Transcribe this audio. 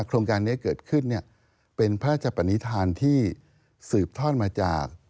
โครงการนี้เกิดขึ้นเนี่ยเป็นพระราชปนิษฐานที่สืบทอดมาจาก